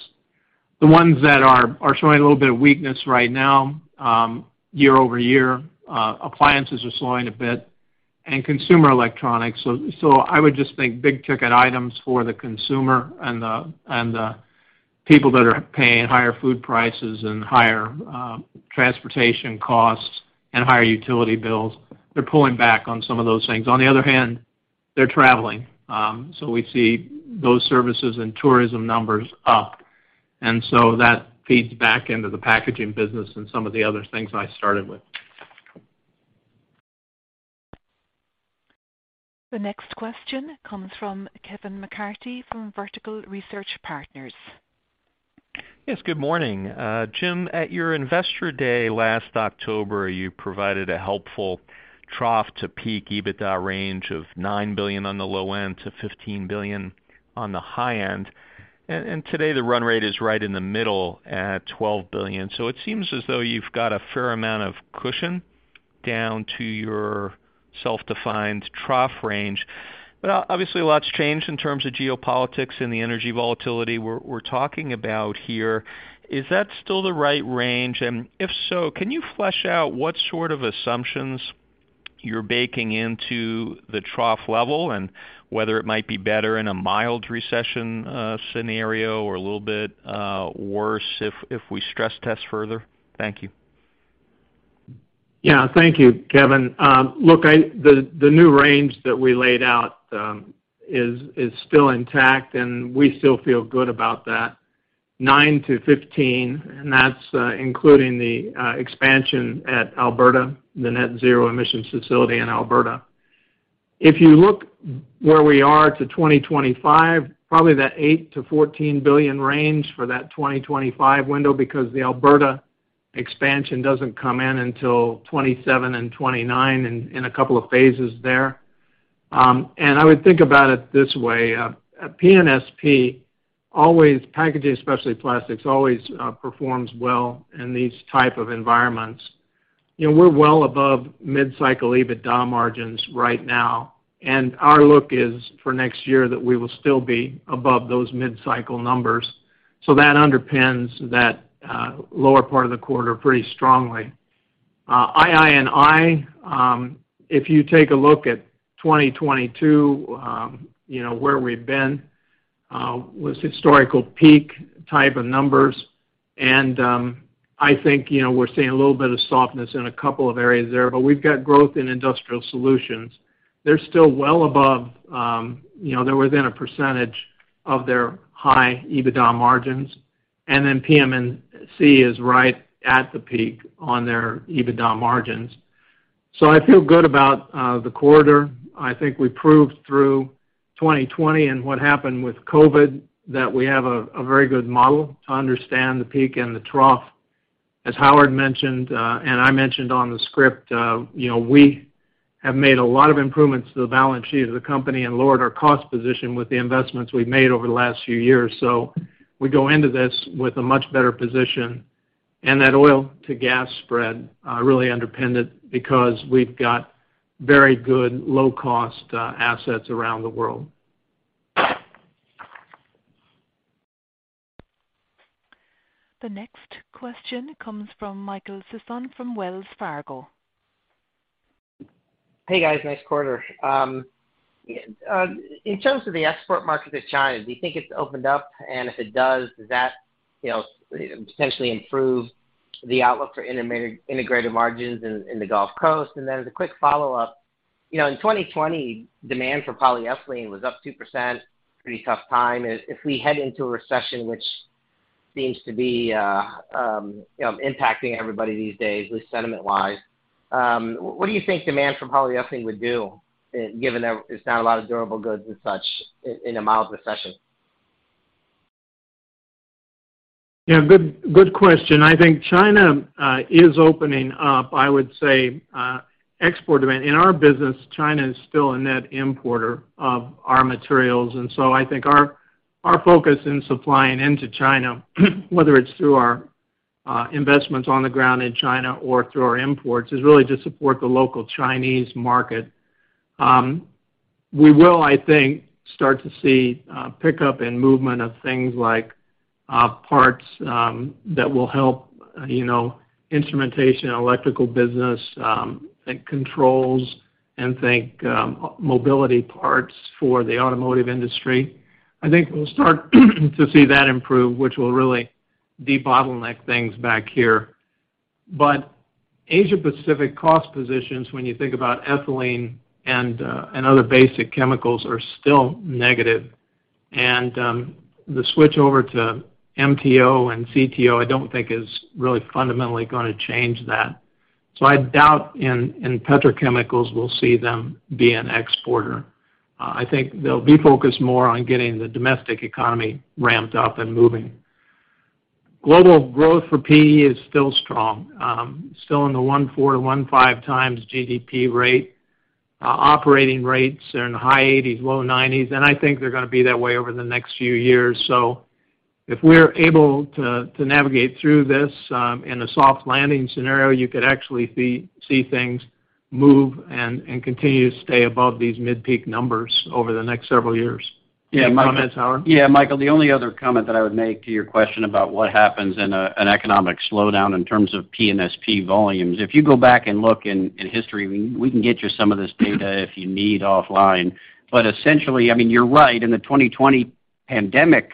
The ones that are showing a little bit of weakness right now, year-over-year, appliances are slowing a bit and consumer electronics. I would just think big-ticket items for the consumer and the people that are paying higher food prices and higher transportation costs and higher utility bills, they're pulling back on some of those things. On the other hand, they're traveling, so we see those services and tourism numbers up, and so that feeds back into the packaging business and some of the other things I started with. The next question comes from Kevin McCarthy from Vertical Research Partners. Yes, good morning. Jim, at your Investor Day last October, you provided a helpful trough to peak EBITDA range of $9 billion on the low end to $15 billion on the high end. Today, the run rate is right in the middle at $12 billion. It seems as though you've got a fair amount of cushion down to your self-defined trough range. Obviously, a lot's changed in terms of geopolitics and the energy volatility we're talking about here. Is that still the right range? If so, can you flesh out what sort of assumptions you're baking into the trough level and whether it might be better in a mild recession scenario or a little bit worse if we stress test further? Thank you. Yeah. Thank you, Kevin. Look, the new range that we laid out is still intact, and we still feel good about that $9 billion-$15 billion, and that's including the expansion at Alberta, the net-zero emissions facility in Alberta. If you look where we are to 2025, probably that $8 billion-$14 billion range for that 2025 window because the Alberta expansion doesn't come in until 2027 and 2029 in a couple of phases there. I would think about it this way, at P&SP, packaging especially plastics performs well in these type of environments. You know, we're well above mid-cycle EBITDA margins right now, and our look is for next year that we will still be above those mid-cycle numbers. That underpins that lower part of the quarter pretty strongly. II&I, if you take a look at 2022, you know, where we've been, was historical peak type of numbers, and, I think, you know, we're seeing a little bit of softness in a couple of areas there, but we've got growth in Industrial Solutions. They're still well above, you know, they're within a percentage of their high EBITDA margins, and then PM&C is right at the peak on their EBITDA margins. I feel good about the quarter. I think we proved through 2020 and what happened with COVID that we have a very good model to understand the peak and the trough. As Howard mentioned, and I mentioned on the script, you know, we have made a lot of improvements to the balance sheet of the company and lowered our cost position with the investments we've made over the last few years. We go into this with a much better position, and that oil to gas spread really underpinned it because we've got very good low cost assets around the world. The next question comes from Michael Sison from Wells Fargo. Hey, guys. Nice quarter. In terms of the export market to China, do you think it's opened up? If it does that, you know, potentially improve the outlook for integrated margins in the Gulf Coast? Then as a quick follow-up, you know, in 2020, demand for polyethylene was up 2%, pretty tough time. If we head into a recession, which seems to be, you know, impacting everybody these days with sentiment-wise, what do you think demand for polyethylene would do given there is not a lot of durable goods and such in a mild recession? Yeah. Good question. I think China is opening up. I would say export demand. In our business, China is still a net importer of our materials. I think our focus in supplying into China, whether it's through our investments on the ground in China or through our imports, is really to support the local Chinese market. We will, I think, start to see pickup and movement of things like parts that will help, you know, instrumentation, electrical business, think controls, and mobility parts for the automotive industry. I think we'll start to see that improve, which will really debottleneck things back here. Asia Pacific cost positions, when you think about ethylene and other basic chemicals, are still negative. The switch over to MTO and CTO, I don't think is really fundamentally gonna change that. I doubt in petrochemicals we'll see them be an exporter. I think they'll be focused more on getting the domestic economy ramped up and moving. Global growth for PE is still strong, still in the 1.4-1.5 times GDP rate. Operating rates are in the high 80s, low 90s, and I think they're gonna be that way over the next few years. If we're able to navigate through this in a soft landing scenario, you could actually see things move and continue to stay above these mid peak numbers over the next several years. Yeah, Michael. Any comments, Howard? Yeah, Michael, the only other comment that I would make to your question about what happens in an economic slowdown in terms of P&SP volumes. If you go back and look in history, we can get you some of this data if you need offline. Essentially, I mean, you're right. In the 2020 pandemic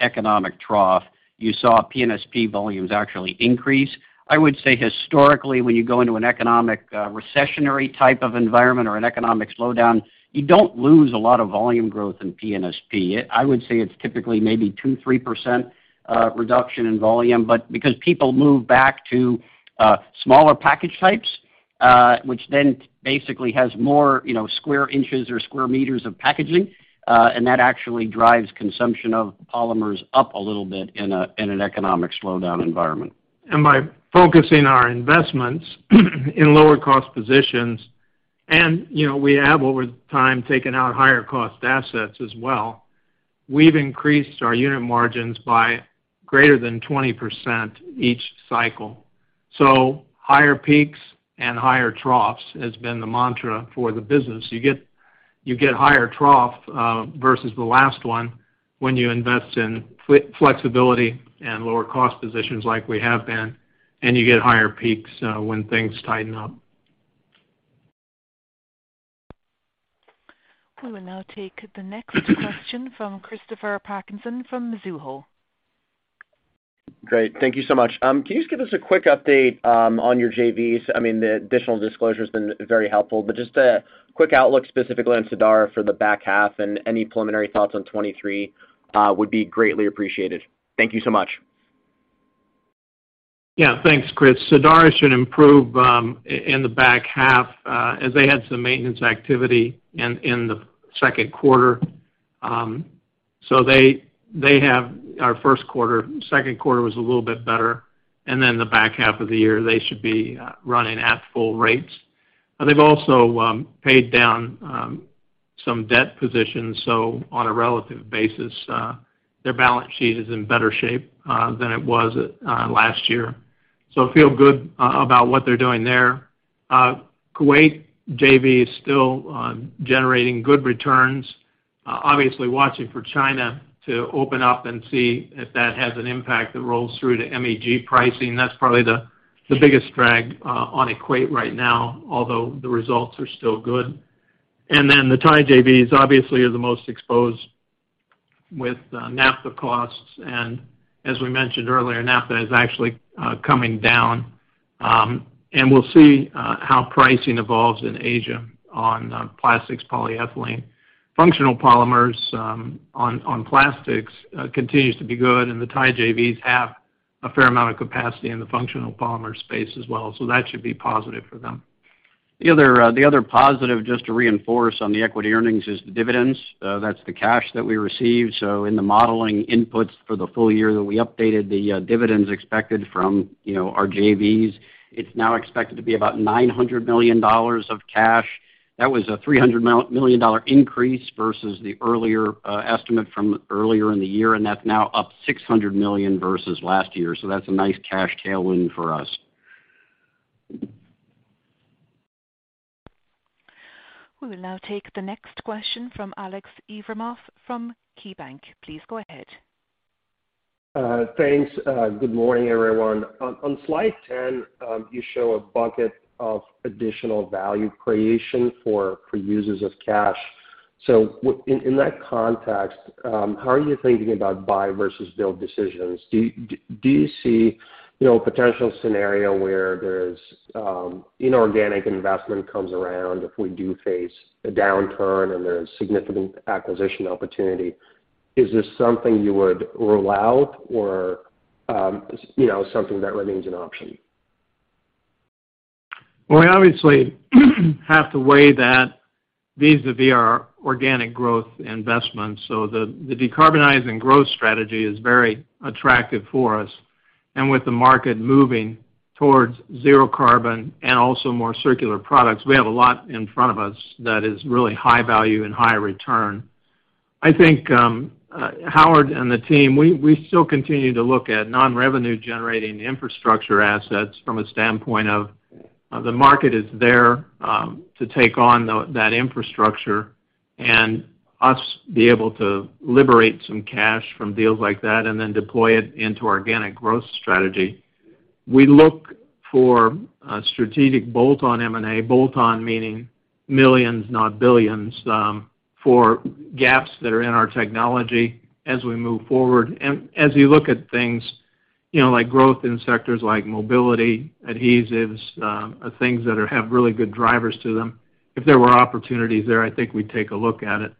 economic trough, you saw P&SP volumes actually increase. I would say historically, when you go into an economic recessionary type of environment or an economic slowdown, you don't lose a lot of volume growth in P&SP. I would say it's typically maybe 2%-3% reduction in volume. Because people move back to smaller package types, which then basically has more, you know, square inches or square meters of packaging, and that actually drives consumption of polymers up a little bit in an economic slowdown environment. By focusing our investments in lower cost positions, and, you know, we have over time taken out higher cost assets as well, we've increased our unit margins by greater than 20% each cycle. Higher peaks and higher troughs has been the mantra for the business. You get higher trough versus the last one when you invest in flexibility and lower cost positions like we have been, and you get higher peaks when things tighten up. We will now take the next question from Christopher Parkinson from Mizuho. Great. Thank you so much. Can you just give us a quick update on your JVs? I mean, the additional disclosure has been very helpful, but just a quick outlook specifically on Sadara for the back half and any preliminary thoughts on 2023 would be greatly appreciated. Thank you so much. Yeah. Thanks, Chris. Sadara should improve in the back half as they had some maintenance activity in the Q2. They had a Q1. Q2 was a little bit better, and then the back half of the year, they should be running at full rates. They've also paid down some debt positions, so on a relative basis, their balance sheet is in better shape than it was last year. Feel good about what they're doing there. Kuwait JV is still generating good returns. Obviously watching for China to open up and see if that has an impact that rolls through to MEG pricing. That's probably the biggest drag on Kuwait right now, although the results are still good. Then the Thai JVs obviously are the most exposed with Naphtha costs. As we mentioned earlier, Naphtha is actually coming down. We'll see how pricing evolves in Asia on plastics polyethylene. Functional polymers on plastics continues to be good, and the Thai JVs have a fair amount of capacity in the functional polymer space as well. That should be positive for them. The other positive just to reinforce on the equity earnings is the dividends. That's the cash that we received. In the modeling inputs for the full year that we updated the dividends expected from, you know, our JVs, it's now expected to be about $900 million of cash. That was a $300 million increase versus the earlier estimate from earlier in the year, and that's now up $600 million versus last year. That's a nice cash tailwind for us. We will now take the next question from Aleksey Yefremov from KeyBanc Capital Markets. Please go ahead. Thanks. Good morning, everyone. On slide 10, you show a bucket of additional value creation for users of cash. In that context, how are you thinking about buy versus build decisions? Do you see, you know, a potential scenario where there's inorganic investment comes around if we do face a downturn and there's significant acquisition opportunity? Is this something you would rule out or, you know, something that remains an option? Well, we obviously have to weigh that vis-a-vis our organic growth investments. The decarbonizing growth strategy is very attractive for us. With the market moving towards zero carbon and also more circular products, we have a lot in front of us that is really high value and high return. I think, Howard and the team, we still continue to look at non-revenue generating infrastructure assets from a standpoint of the market is there to take on that infrastructure and us be able to liberate some cash from deals like that and then deploy it into organic growth strategy. We look for a strategic bolt-on M&A, bolt-on meaning millions, not billions, for gaps that are in our technology as we move forward. As you look at things, you know, like growth in sectors like mobility, adhesives, things that have really good drivers to them. If there were opportunities there, I think we'd take a look at it.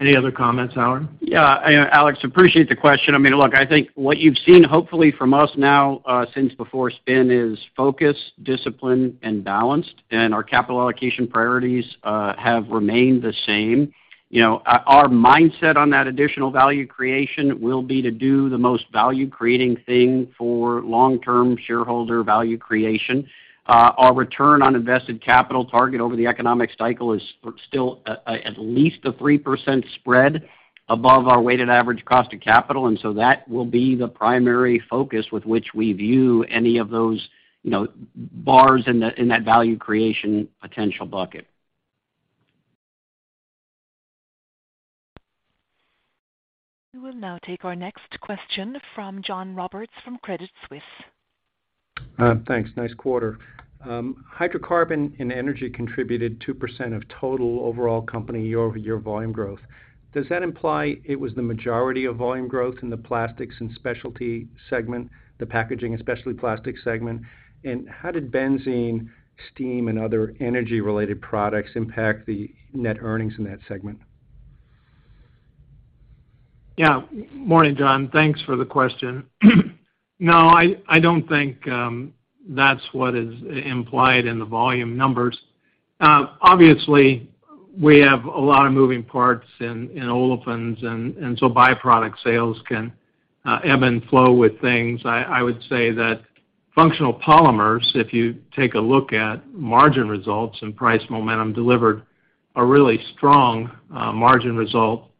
Any other comments, Howard? Yeah, Alex, appreciate the question. I mean, look, I think what you've seen hopefully from us now, since before spin is focus, discipline, and balanced. Our capital allocation priorities have remained the same. You know, our mindset on that additional value creation will be to do the most value-creating thing for long-term shareholder value creation. Our return on invested capital target over the economic cycle is still at least a 3% spread above our weighted average cost of capital. That will be the primary focus with which we view any of those, you know, bars in that value creation potential bucket. We will now take our next question from John Roberts from Credit Suisse. Thanks. Nice quarter. Hydrocarbon and energy contributed 2% of total overall company year-over-year volume growth. Does that imply it was the majority of volume growth in the plastics and specialty segment, the Packaging & Specialty Plastics segment? How did benzene, steam, and other energy-related products impact the net earnings in that segment? Yeah. Morning, John. Thanks for the question. No, I don't think that's what is implied in the volume numbers. Obviously, we have a lot of moving parts in olefins, and so byproduct sales can ebb and flow with things. I would say that functional polymers, if you take a look at margin results and price momentum, delivered a really strong margin result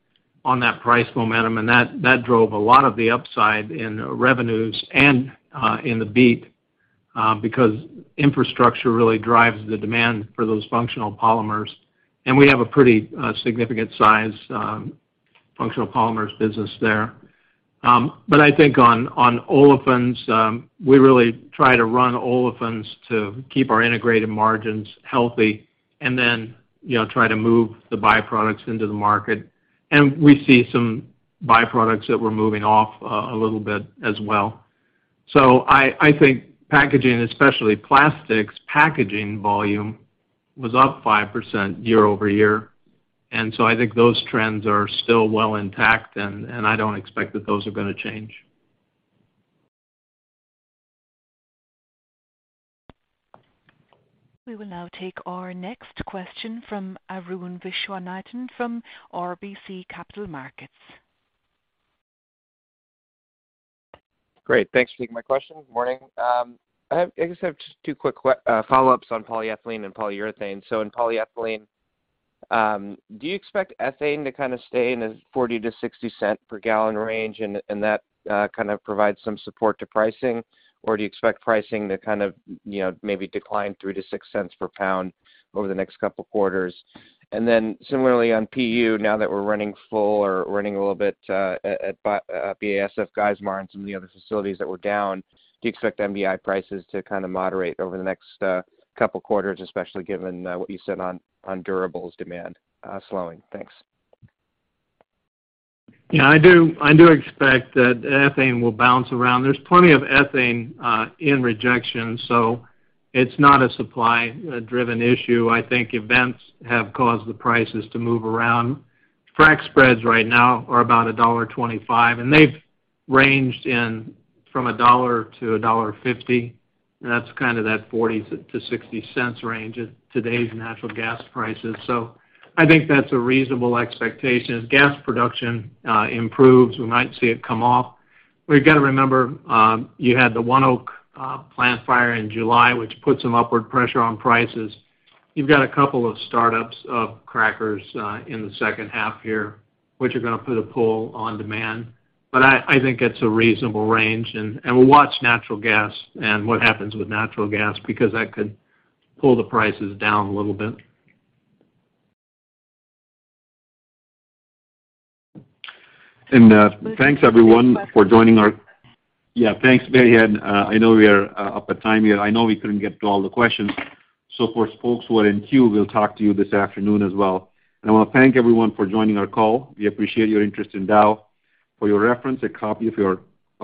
on that price momentum. That drove a lot of the upside in revenues and in the beat, because infrastructure really drives the demand for those functional polymers. We have a pretty significant size functional polymers business there. But I think on olefins, we really try to run olefins to keep our integrated margins healthy and then, you know, try to move the byproducts into the market. We see some byproducts that we're moving off, a little bit as well. I think packaging, especially plastics packaging volume, was up 5% year-over-year. I think those trends are still well intact, and I don't expect that those are gonna change. We will now take our next question from Arun Viswanathan from RBC Capital Markets. Great. Thanks for taking my question. Morning. I guess I have just two quick follow-ups on polyethylene and polyurethane. In polyethylene, do you expect ethane to kind of stay in a $0.40-$0.60 per gallon range, and that kind of provide some support to pricing? Or do you expect pricing to kind of, you know, maybe decline $0.03-$0.06 per pound over the next couple quarters? Similarly on PU, now that we're running full or running a little bit at BASF Geismar and some of the other facilities that were down, do you expect MDI prices to kind of moderate over the next couple quarters, especially given what you said on durables demand slowing? Thanks. Yeah, I do. I do expect that ethane will bounce around. There's plenty of ethane in rejection, so it's not a supply driven issue. I think events have caused the prices to move around. Frac spreads right now are about $1.25, and they've ranged in from $1-$1.50. That's kind of that 4060 cents range at today's natural gas prices. I think that's a reasonable expectation. As gas production improves, we might see it come off. We've got to remember, you had the ONEOK plant fire in July, which put some upward pressure on prices. You've got a couple of startups of crackers in the second half here, which are gonna put a pull on demand. I think it's a reasonable range. We'll watch natural gas and what happens with natural gas because that could pull the prices down a little bit. Thanks everyone for joining. Yeah, thanks, Maryann. I know we are up at time here. I know we couldn't get to all the questions. For folks who are in queue, we'll talk to you this afternoon as well. I wanna thank everyone for joining our call. We appreciate your interest in Dow. For your reference, a copy of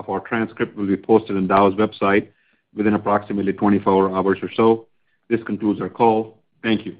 our transcript will be posted on Dow's website within approximately 24 hours or so. This concludes our call. Thank you.